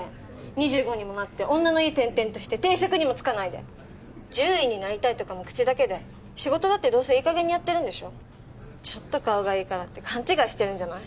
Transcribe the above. ２５にもなって女の家転々として定職にも就かないで獣医になりたいとかも口だけで仕事だってどうせいい加減にやってるんでしょちょっと顔がいいからって勘違いしてるんじゃない？